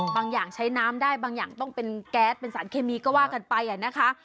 อย่างใช้น้ำได้บางอย่างต้องเป็นแก๊สเป็นสารเคมีก็ว่ากันไปนะคะ